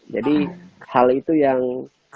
jadi hal itu yang